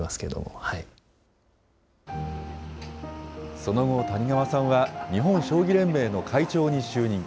その後、谷川さんは日本将棋連盟の会長に就任。